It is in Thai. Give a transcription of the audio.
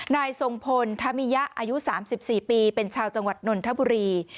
นายทรงพลธมิยะอายุ๓๔ปีเป็นชาวจังหวัดนนทบุรี